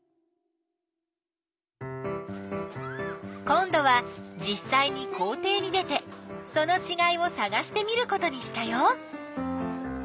今どはじっさいに校ていに出てそのちがいをさがしてみることにしたよ。